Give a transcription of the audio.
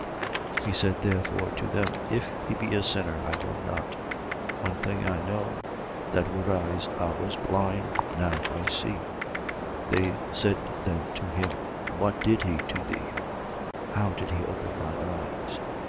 9:25. He said therefore to them: If he be a sinner, I know not. One thing I know, that whereas I was blind. now I see. 9:26. They said then to him: What did he to thee? How did he open thy eyes?